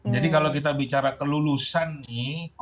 jadi kalau kita bicara kelulusan nih